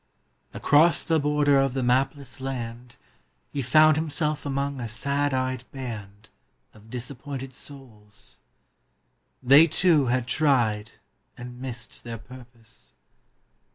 Across the border of the mapless land He found himself among a sad eyed band Of disappointed souls; they, too, had tried And missed their purpose.